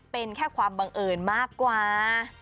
เป็นแค่ความบังเอิญมากกว่า